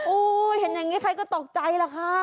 เห็นอย่างนี้ใครก็ตกใจล่ะค่ะ